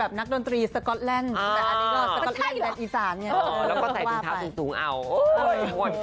เขาที่สิบมันคือกระโปรงเหรอ